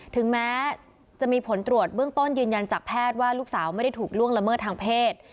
ถึงแม้จะมีผลตรวจเบื้องต้นยืนยันจากแพทย์ว่าลูกสาวไม่ได้ถูกล่วงละเมิดทางเพศ